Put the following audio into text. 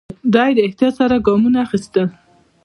دی احتیاط سره ګامونه اخيستل.